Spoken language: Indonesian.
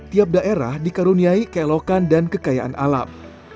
tiap daerah dikaruniai keelokan dan kekayaan alam